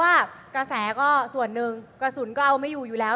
ว่ากระแสก็ส่วน๑และกระสุนก็ไม่อยู่แล้ว